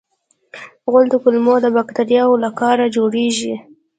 غول د کولمو باکتریاوو له کاره جوړېږي.